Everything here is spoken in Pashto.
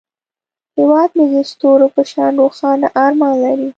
هیواد مې د ستورو په شان روښانه ارمان لري